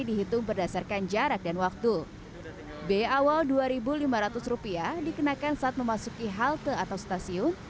dihitung berdasarkan jarak dan waktu b awal dua ribu lima ratus rupiah dikenakan saat memasuki halte atau stasiun